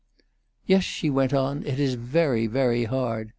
"Yes," she went on, "it is very, very hard.